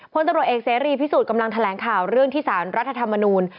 พลตำรวจเอกเสรีพิสูจน์กำลังแถลงข่าวเรื่องที่สารรัฐธรรมนูล